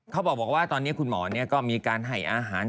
เขาบอกว่าตอนนี้คุณหมอก็มีการให้อาหาร